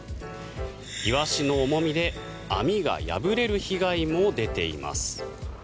イワシの重みで網が破れる被害も出ています。